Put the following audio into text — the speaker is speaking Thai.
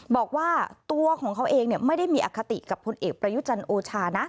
บอกว่าตัวของเขาเองไม่ได้มีอคติกับพลเอกประยุจันทร์โอชานะ